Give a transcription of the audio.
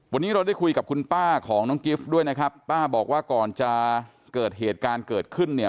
วันนี้เราได้คุยกับคุณป้าของน้องกิฟต์ด้วยนะครับป้าบอกว่าก่อนจะเกิดเหตุการณ์เกิดขึ้นเนี่ย